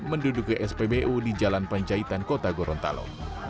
menduduki spbu di jalan panjaitan kota gorontalo